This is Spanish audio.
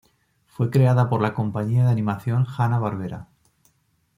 Fue creada por la compañía de animación Hanna-Barbera.